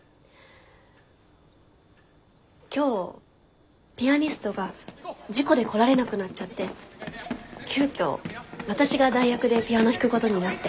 今日ピアニストが事故で来られなくなっちゃって急遽私が代役でピアノ弾くことになって。